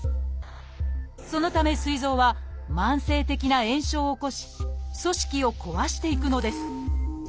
そのためすい臓は慢性的な炎症を起こし組織を壊していくのです。